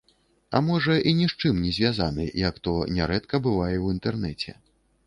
А можа, і ні з чым не звязаны, як то нярэдка бывае ў інтэрнэце.